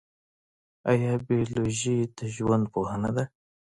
ایا بیولوژي د ژوند پوهنه ده؟